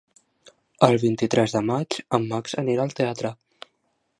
El vint-i-tres de maig en Max anirà al teatre.